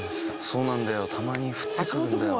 「そうなんだよたまに降ってくるんだよ」